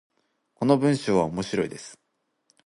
この文章は面白いです。